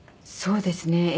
そうですね。